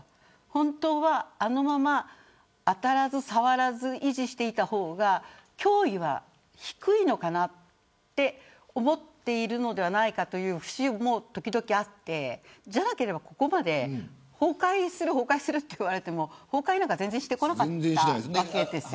本当はあのまま当たらず触らず維持した方が脅威は低いのかなと思っているのではないかという節も、ときどきあってじゃなければ、ここまで崩壊する崩壊すると言われてもしてこなかったわけです。